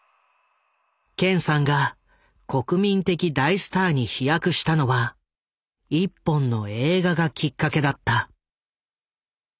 健さんが国民的大スターに飛躍したのは一本の映画がきっかけだった。